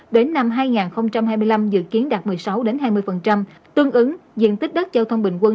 đến năm hai nghìn hai mươi năm dự kiến đạt một mươi sáu hai mươi tương ứng diện tích đất giao thông bình quân